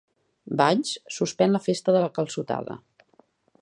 Valls suspèn la Festa de la Calçotada